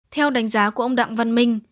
theo đánh giá của ông đặng văn minh